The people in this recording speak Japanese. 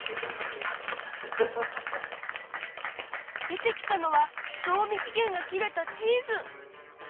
出てきたのは賞味期限が切れたチーズ！